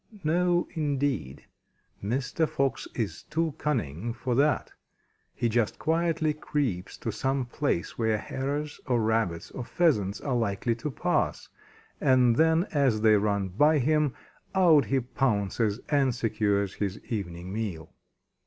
No, indeed! Mr. Fox is too cunning for that. He just quietly creeps to some place where Hares or Rabbits or Pheasants are likely to pass, and then as they run by him, out he pounces and secures his evening meal.